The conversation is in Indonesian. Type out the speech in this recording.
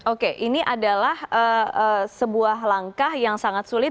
oke ini adalah sebuah langkah yang sangat sulit